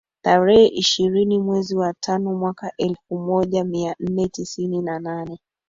Tarehe ishirini mwezi wa tano mwaka elfu moja mia nne tisini na nane